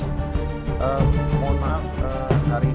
eee mohon maaf eee hari ini saya ada berusaha keluarga mandi agak